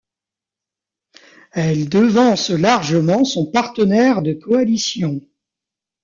Elle devance largement son partenaire de coalition.